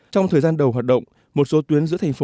trong thời gian đầu hoạt động một số tuyến giữa tp hcm